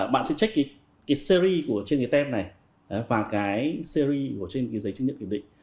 bạn sẽ check cái series trên cái tem này và cái series trên cái giấy chứng nhận kiểm định